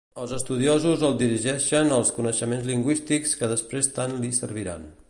Els estudiosos el dirigeixen als coneixements lingüístics que després tant li serviran.